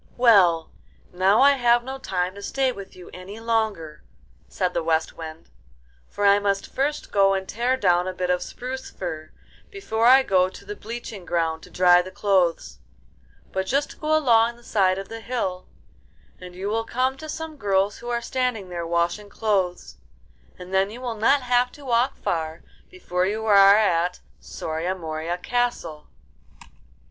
'Well, now I have no time to stay with you any longer,' said the West Wind, 'for I must first go and tear down a bit of spruce fir before I go to the bleaching ground to dry the clothes; but just go along the side of the hill, and you will come to some girls who are standing there washing clothes, and then you will not have to walk far before you are at Soria Moria Castle.